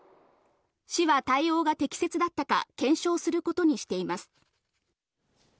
市は対応が適切だったか検証することにしています。